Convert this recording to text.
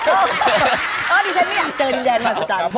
ก็๋อนี้ฉันไม่อยากเจอดินแดนมหาสจันทร์